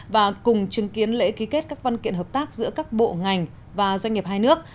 và cùng chứng kiến lễ ký kết các văn kiện hợp tác giữa các bộ ngành và doanh nghiệp hai nước